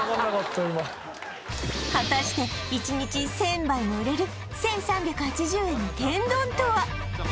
果たして１日１０００杯も売れる１３８０円の天丼とは？